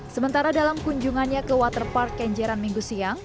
sementara dalam kunjungannya ke waterpark kenjeran minggu siang